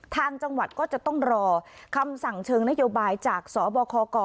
ทางจังหวัดก็จะต้องรอคำสั่งเชิงนโยบายจากสบคก